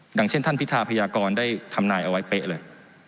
อย่างเช่นท่านพิธาพยากรได้ทำนายเอาไว้เป๊ะเลย